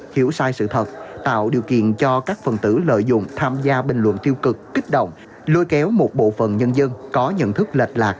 hiểu sai sự thật tạo điều kiện cho các phần tử lợi dụng tham gia bình luận tiêu cực kích động lôi kéo một bộ phận nhân dân có nhận thức lệch lạc